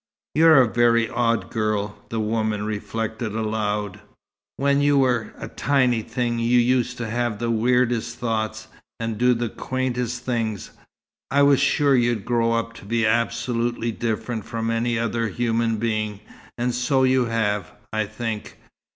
"You're a very odd girl," the woman reflected aloud. "When you were a tiny thing, you used to have the weirdest thoughts, and do the quaintest things. I was sure you'd grow up to be absolutely different from any other human being. And so you have, I think.